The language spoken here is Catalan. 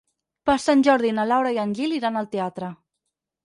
Per Sant Jordi na Laura i en Gil iran al teatre.